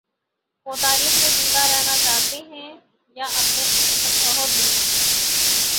وہ تاریخ میں زندہ رہنا چاہتے ہیں یا اپنے عہد میں؟